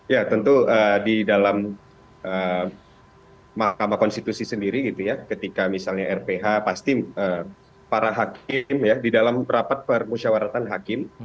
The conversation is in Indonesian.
ya tentu di dalam mahkamah konstitusi sendiri gitu ya ketika misalnya rph pasti para hakim ya di dalam rapat permusyawaratan hakim